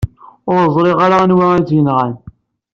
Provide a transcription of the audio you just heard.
Ur ẓṛiɣ ara anwa i t-yenɣan.